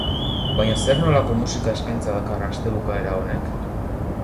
Baina zer nolako musika eskaintza dakar astebukaera honek?